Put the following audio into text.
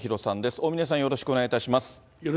大峯さん、よろしくお願いいたします。